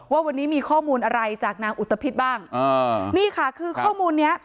ว่าวันนี้มีข้อมูลอะไรจากนางอุตภิษบ้างอ่านี่ค่ะคือข้อมูลเนี้ย